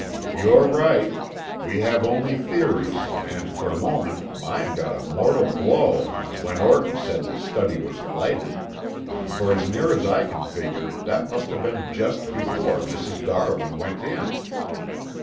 "You're right. We have only theories and for a moment mine got a mortal blow when Orton said the study was lighted, for as near as I can figure that must have been just before Mrs. Darwin went in.